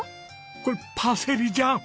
これパセリじゃん。